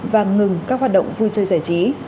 và ngừng các hoạt động vui chơi giải trí